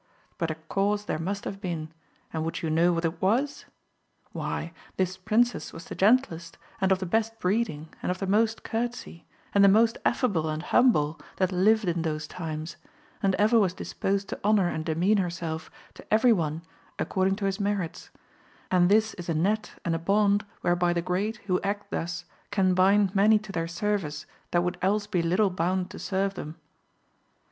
But a cause there must have been, and would you know what it was ? Why this princess was the gentlest, and of the best breeding, and of the most courtesy, and the most affable and humble that lived in those times, and ever was disposed to honour and demean herself to every one according to his merits, and this is a net and a bond whereby the great who act thus can bind many to their service that would else be little bound to serve them.